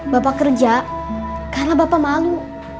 bapak kerja karena bapak malu